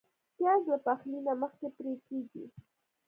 پیاز له پخلي نه مخکې پرې کېږي